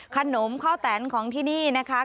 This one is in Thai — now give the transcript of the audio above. ขนมข้าวแตนของที่นี่นะคะ